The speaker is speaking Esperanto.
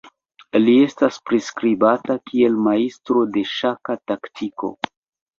Li estas priskribata kiel majstro de ŝaka taktiko.